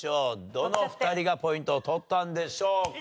どの２人がポイントを取ったんでしょうか。